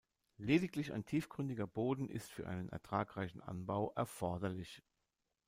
Lediglich ein tiefgründiger Boden ist für einen ertragreichen Anbau erforderlich.